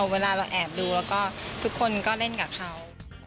เวลาเราแอบดูแล้วก็ทุกคนก็เล่นกับเขา